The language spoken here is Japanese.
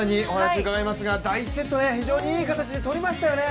第１セット、非常にいい形で取りましたよね。